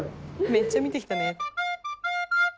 「“めっちゃ見てきたね”って」